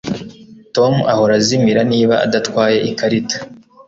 Tom ahora azimira niba adatwaye ikarita